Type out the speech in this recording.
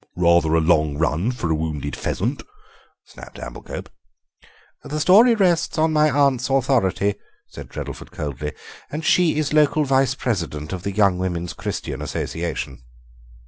"Rather a long run for a wounded pheasant," snapped Amblecope. "The story rests on my aunt's authority," said Treddleford coldly, "and she is local vice president of the Young Women's Christian Association.